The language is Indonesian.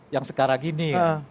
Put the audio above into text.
yang sekarang ini